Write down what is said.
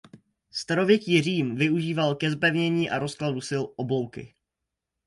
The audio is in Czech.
Starověký Řím využíval ke zpevnění a rozkladu sil oblouky.